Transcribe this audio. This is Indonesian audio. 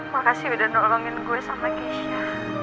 makasih udah nolongin gue sama keisha